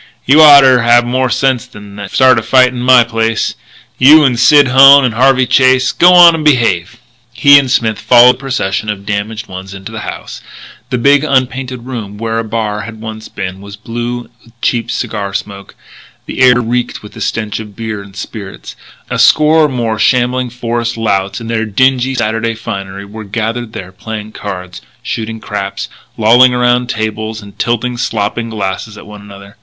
"You oughter have more sense than to start a fight in my place you and Sid Hone and Harvey Chase. G'wan in and behave." He and Smith followed the procession of damaged ones into the house. The big unpainted room where a bar had once been was blue with cheap cigar smoke; the air reeked with the stench of beer and spirits. A score or more shambling forest louts in their dingy Saturday finery were gathered there playing cards, shooting craps, lolling around tables and tilting slopping glasses at one another.